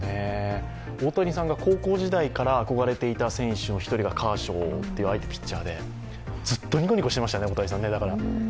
大谷さんが高校時代から憧れていた選手の１人がカーショウというピッチャーで、ずっとニコニコしてましたね、大谷さん。